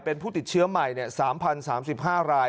เป็นผู้ติดเชื้อใหม่เนี่ยสามพันสามสิบห้าราย